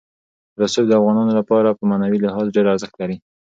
رسوب د افغانانو لپاره په معنوي لحاظ ډېر ارزښت لري.